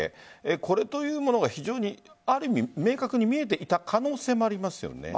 これというものが非常にある意味見えてきた可能性もありますよね。